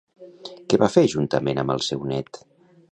Què va fer juntament amb el seu net?